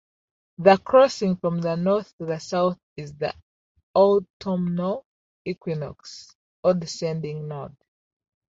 The crossing from north to south is the autumnal equinox or descending node.